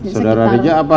saudara reja apa